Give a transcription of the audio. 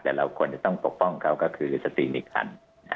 แต่เราควรจะต้องปกป้องเขาก็คือสติมีคัน